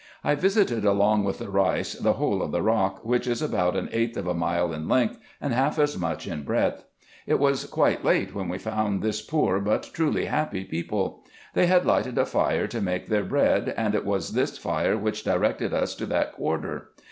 I visited along with the Eeis the whole of the rock, which is about an eighth of a mile in length, and half as much in breadth. It was quite late when we found this poor but truly happy people. They had lighted a fire to make their bread, and it was this fire which directed us to that quarter.